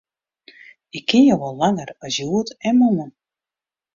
Ik ken jo al langer as hjoed en moarn.